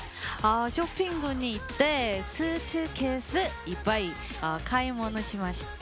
ショッピングに行ってスーツケース、いっぱい買い物しました。